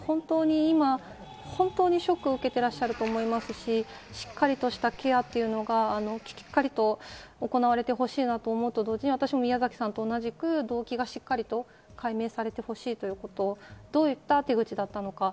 本当に今ショックを受けてらっしゃると思いますし、しっかりとしたケアがきっかりと行われてほしいなと思うと同時に私も宮崎さんと同時に、動機がしっかりと解明されてほしいなとどういった手口だったのか。